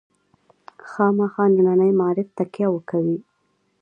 خامخا ننني معارف تکیه وکوي.